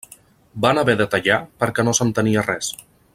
Van haver de tallar perquè no s'entenia res.